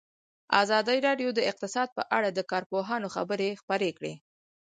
ازادي راډیو د اقتصاد په اړه د کارپوهانو خبرې خپرې کړي.